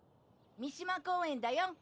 三島公園だよ。